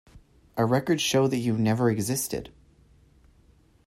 Our records show that you never existed.